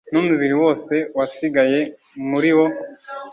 n'umubiri wose wasigaye muriwo